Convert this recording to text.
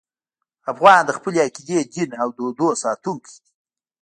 افغان د خپلې عقیدې، دین او دودونو ساتونکی دی.